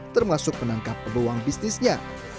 termasuk penangkap peluang bisnisnya